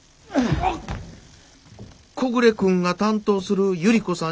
小暮君が担当する百合子さん